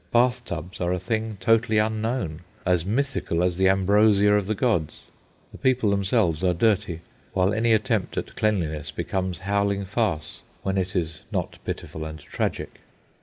Bath tubs are a thing totally unknown, as mythical as the ambrosia of the gods. The people themselves are dirty, while any attempt at cleanliness becomes howling farce, when it is not pitiful and tragic.